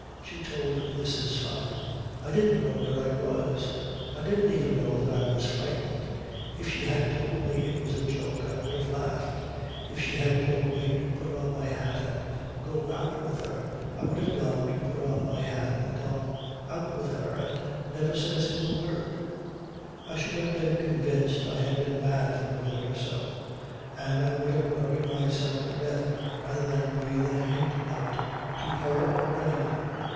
She told Mrs. Fyne: "I didn't know where I was. I didn't even know that I was frightened. If she had told me it was a joke I would have laughed. If she had told me to put on my hat and go out with her I would have gone to put on my hat and gone out with her and never said a single word; I should have been convinced I had been mad for a minute or so, and I would have worried myself to death rather than breathe a hint of it to her or anyone.